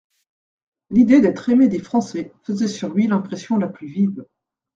L'idée d'être aimé des Français faisait sur lui l'impression la plus vive.